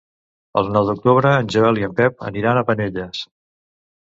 El nou d'octubre en Joel i en Pep aniran a Penelles.